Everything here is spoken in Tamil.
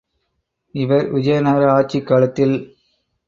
இவர் விஜயநகர ஆட்சிக் காலத்தில்